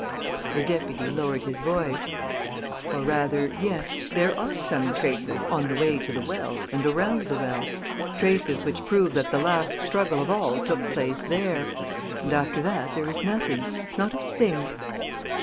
The deputy lowered his voice: "Or rather, yes, there are some traces on the way to the well and around the well ... traces which prove that the last struggle of all took place there.... And after that there is nothing ... not a thing...."